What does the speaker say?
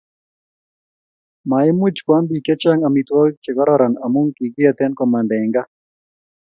maimuch koam biik che chang' amitwogik che kororon amu kikiete komanda eng' gaa